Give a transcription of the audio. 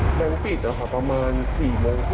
เห็นอย่างนี้ก็ต้องแจ้งตำรวจก่อนเลยนะคะ